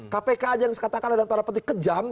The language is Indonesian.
kpk aja yang dikatakan adalah terhapati kejam